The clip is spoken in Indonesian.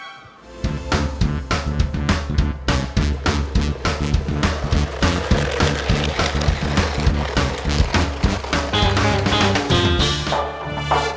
idik di mobil